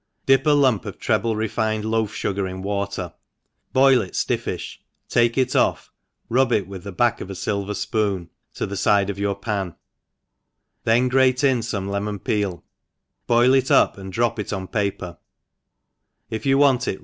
DIP a lump of treble refined loaf fugar in water, boil it ftifEfh, take it off, rub it with the back of a filvcr fpoon to the fide of your pan, then grate in fome lemon peel, boil it up, and 5 dr©p ENGLISH HOUSE KEEPER.